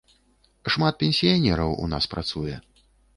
Шмат пенсіянераў у нас працуе.